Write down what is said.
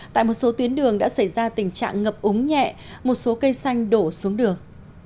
tại một số tuyến đường đã xảy ra tình trạng ngập úng nhẹ một số cây xanh đổ xuống đường